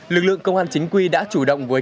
lực lượng công an chính quy đã chủ động với